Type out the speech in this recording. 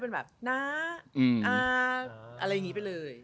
เป็นแบบน้าอาอะไรอย่างนี้ไปเลย